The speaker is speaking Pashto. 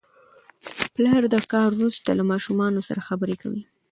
پلر د کار وروسته له ماشومانو سره خبرې کوي